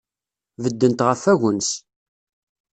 Beddent ɣef wagens.